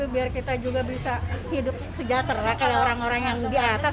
biar kita juga bisa hidup sejahtera kayak orang orang yang di atas